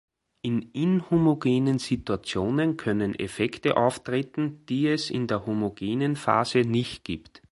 In inhomogenen Situationen können Effekte auftreten, die es in der homogenen Phase nicht gibt.